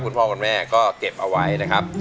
คุณพ่อคุณแม่ก็เก็บเอาไว้นะครับ